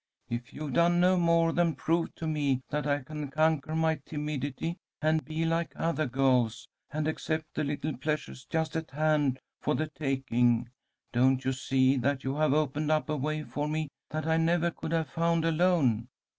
If you've done no more than prove to me that I can conquer my timidity and be like other girls, and accept the little pleasures just at hand for the taking, don't you see that you have opened up a way for me that I never could have found alone?